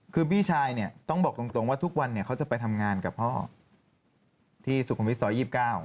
คือพี่ชายเนี่ยต้องบอกตรงว่าทุกวันเขาจะไปทำงานกับพ่อที่สุขุมวิทยซอย๒๙